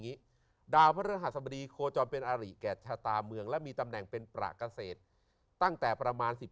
ดาวพระฤหัสบดีโคจรเป็นอาริแก่ชะตาเมืองและมีตำแหน่งเป็นประเกษตรตั้งแต่ประมาณ๑๕